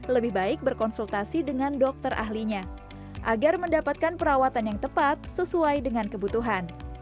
lebih baik berkonsultasi dengan dokter ahlinya agar mendapatkan perawatan yang tepat sesuai dengan kebutuhan